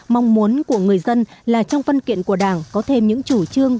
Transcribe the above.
mong muốn của người dân là trong văn kiện của đảng có thêm những chủ trương